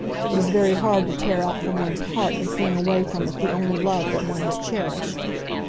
It is very hard to tear out from one's heart and fling away from it the only love that one has cherished!